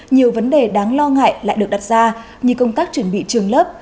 nhiều vấn đề đáng lo ngại lại được đặt ra như công tác chuẩn bị trường lớp